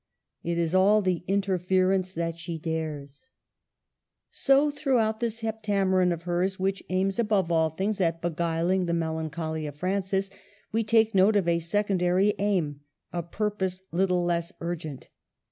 It is all the interference that she dares. 21 8 MARGARET OF ANGOULEME. So throughout this " Heptameron " of hers, which aims above all things at beguiling the mel ancholy of Francis, we take note of a secondary aim, a purpose little less urgent.